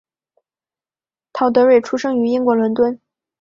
陶德瑞出生于英国伦敦。